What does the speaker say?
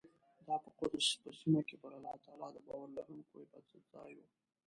دا په قدس په سیمه کې پر الله تعالی د باور لرونکو عبادتځای و.